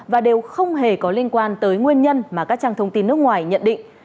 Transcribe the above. và đều không hề có liên quan tới nguyên nhân mà các trang thông tin nước ngoài nhận định